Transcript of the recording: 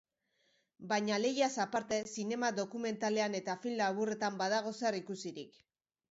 Baina lehiaz aparte, zinema dokumentalean eta film laburretan badago zer ikusirik.